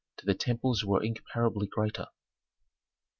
to the temples were incomparably greater.